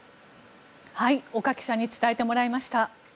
岡記者に伝えてもらいました。